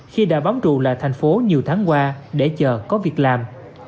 khi đã bóng trụ là thành phố nhiều tháng qua để chờ có việc làm